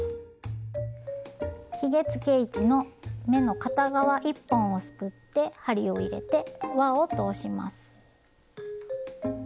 ひげつけ位置の目の片側１本をすくって針を入れて輪を通します。